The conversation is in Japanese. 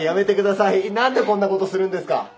何でこんなことするんですか？